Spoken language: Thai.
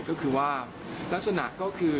ก็คือว่าลักษณะก็คือ